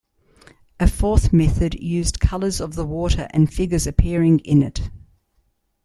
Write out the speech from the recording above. A fourth method used colors of the water and figures appearing in it.